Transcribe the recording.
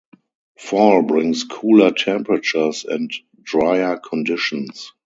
Fall brings cooler temperatures and dryer conditions.